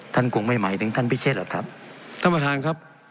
คงไม่หมายถึงท่านพิเชษหรอกครับท่านประธานครับ